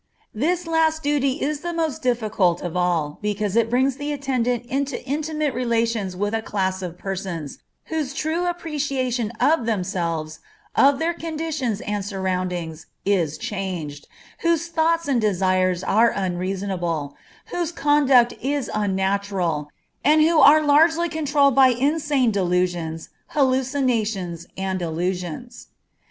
This last duty is the most difficult of all, because it brings the attendant into intimate relations with a class of persons, whose true appreciation of themselves, of their conditions and surroundings, is changed, whose thoughts and desires are unreasonable, whose conduct is unnatural, and who are largely controlled by insane delusions, hallucinations, and illusions.